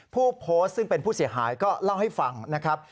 ผู้โพสต์ซึ่งเป็นผู้เสียหายก็เล่าให้ฟังนะครับ